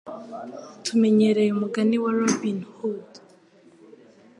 Tumenyereye umugani wa Robin Hood.